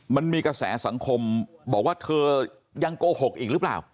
มันมีกระแสสังคมบอกว่าเธอยังโกหกอีกหรือเปล่า